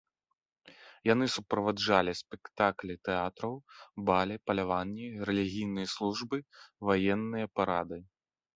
Яны суправаджалі спектаклі тэатраў, балі, паляванні, рэлігійныя службы, ваенныя парады.